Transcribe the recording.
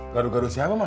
garu garu siapa mak